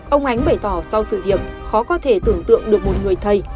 ông ánh bày tỏ sau sự việc khó có thể tưởng tượng được một người thầy